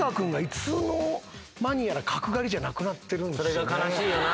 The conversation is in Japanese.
それが悲しいよな。